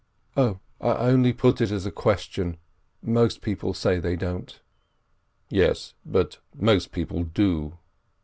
"Oh, I only put it as a question; most people say they don't." "Yes, but most people do."